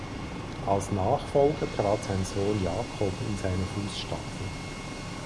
Als Nachfolger trat sein Sohn Jakob in seine Fußstapfen.